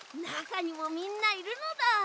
なかにもみんないるのだ。